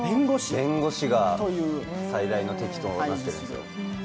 弁護士が最大の敵となってるんですよ。